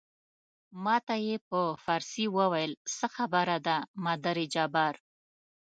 ما ته یې په فارسي وویل څه خبره ده مادر جبار.